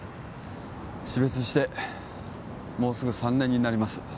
死別してもうすぐ三年になります